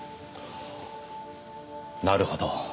なるほど。